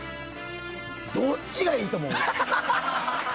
どっちがいいと思う？